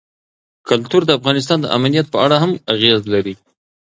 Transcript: کلتور د افغانستان د امنیت په اړه هم اغېز لري.